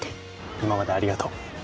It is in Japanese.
今までありがとう。